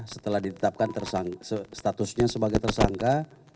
setelah ditetapkan statusnya sebagai tersangka